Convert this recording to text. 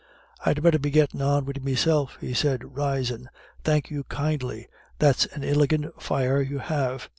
"I'd better be gettin' on wid meself," he said, rising, "Thank you, kindly. That's an iligant fire you have."